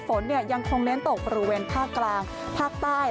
ฝนยังคงเน้นตกบริเวณภาคกลางภาคใต้